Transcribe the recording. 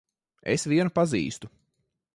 Es vienu pazīstu.